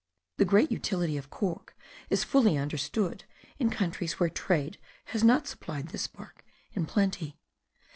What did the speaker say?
The great utility of cork is fully understood in countries where trade has not supplied this bark in plenty.